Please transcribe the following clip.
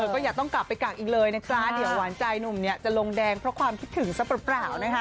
ก็อย่าต้องกลับไปกักอีกเลยนะจ๊ะเดี๋ยวหวานใจหนุ่มเนี่ยจะลงแดงเพราะความคิดถึงซะเปล่านะคะ